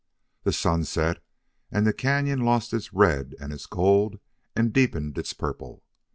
The sun set and the cañon lost its red and its gold and deepened its purple.